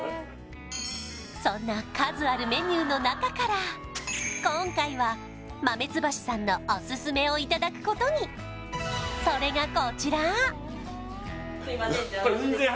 そんな数あるメニューの中から今回は豆津橋さんのオススメをいただくことにすいません